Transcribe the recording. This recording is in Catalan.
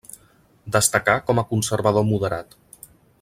Destacà com a conservador moderat.